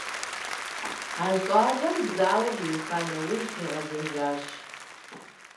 А щӏалэм зауэр иуха нэужь къигъэзэжащ…